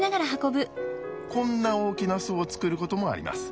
こんな大きな巣を作ることもあります。